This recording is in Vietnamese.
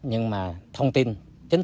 nhưng tôi vẫn chưa xác nhận để họ xuất khẩu